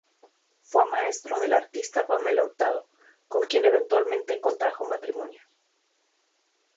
Fue maestro de la artista Pamela Hurtado, con quien eventualmente contrajo matrimonio.